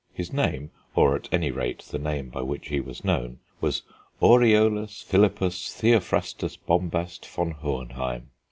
His name, or at any rate the name by which he was known, was Aureolus Philippus Theophrastus Bombast von Hohenheim.